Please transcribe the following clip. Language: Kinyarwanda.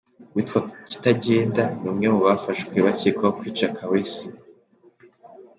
Uwitwa Kitagenda ni umwe mu bafashwe bakekwaho kwica Kaweesi